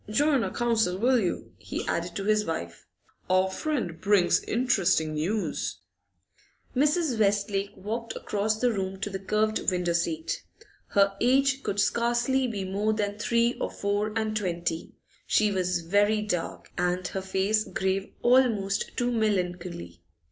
Join our council, will you?' he added to his wife. 'Our friend brings interesting news.' Mrs. Westlake walked across the room to the curved window seat. Her age could scarcely be more than three or four and twenty; she was very dark, and her face grave almost to melancholy.